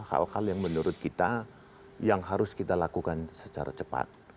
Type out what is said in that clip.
hal hal yang menurut kita yang harus kita lakukan secara cepat